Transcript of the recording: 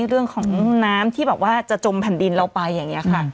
เรื่องของน้ำที่แบบว่าจะจมแผ่นดินเราไปอย่างนี้ค่ะ